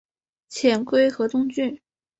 遣归河东郡。